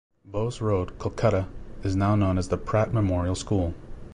Bose Road, Kolkata, and is now known as the Pratt Memorial School.